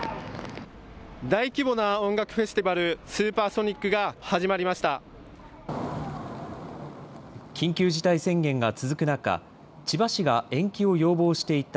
大規模な音楽フェスティバル、スーパーソニックが始まりました。